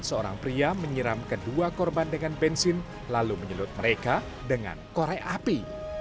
seorang pria menyiram kedua korban dengan bensin lalu menyelut mereka dengan korek api